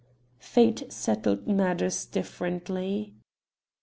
Fate settled matters differently.